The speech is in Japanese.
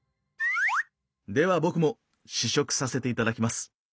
では僕も試食させていただきます。